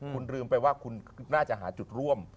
คุณลืมไปว่าคุณน่าจะหาจุดร่วม